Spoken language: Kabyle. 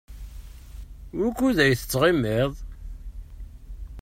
Wukud ay tettɣimiḍ?